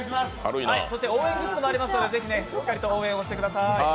応援グッズもありますのでしっかり応援してください。